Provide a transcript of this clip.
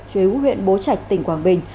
chế quốc huyện bố trạch tỉnh quảng bình